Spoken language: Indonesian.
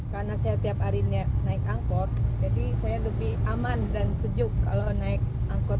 karena saya tiap hari naik angkot jadi saya lebih aman dan sejuk kalau naik angkot